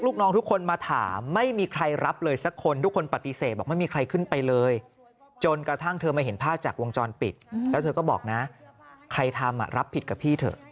กระทั่งเธอมาเห็นภาพจากวงจรปิดแล้วเธอก็บอกนะใครทำรับผิดกับพี่เถอะ